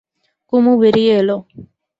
কুমু বেরিয়ে এল।